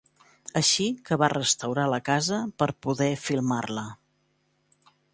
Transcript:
Així que va restaurar la casa per poder filmar-la.